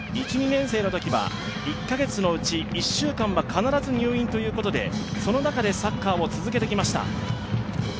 １、２年生のときは１カ月のうち１週間は必ず入院ということで、その中でサッカーを続けてきました。